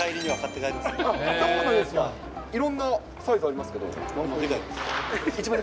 いろんなサイズありますけど。